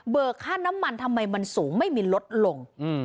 ค่าน้ำมันทำไมมันสูงไม่มีลดลง